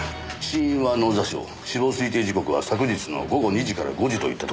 死因は脳挫傷死亡推定時刻は昨日の午後２時から５時といったとこでしょうか。